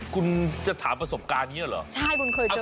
คุณจะถามประสบการณ์อย่างนี้เหรอใช่คุณเคยเจอ